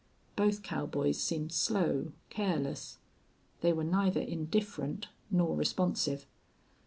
Both cowboys seemed slow, careless. They were neither indifferent nor responsive.